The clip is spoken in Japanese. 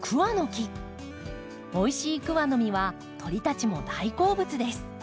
おいしいクワの実は鳥たちも大好物です。